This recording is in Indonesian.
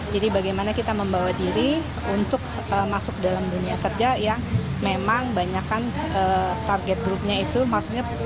jadi bagaimana kita membawa diri kita bisa mencari penyelesaian